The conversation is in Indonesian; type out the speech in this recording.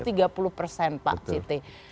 sudah lebih ya